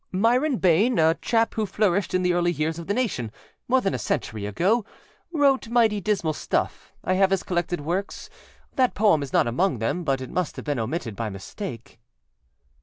âMyron Bayne, a chap who flourished in the early years of the nationâmore than a century ago. Wrote mighty dismal stuff; I have his collected works. That poem is not among them, but it must have been omitted by mistake.